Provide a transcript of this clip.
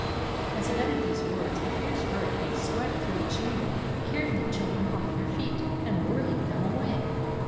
As he uttered these words, a fierce hurricane swept through the chamber, carrying the children off their feet, and whirling them away!